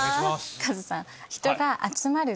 カズさん。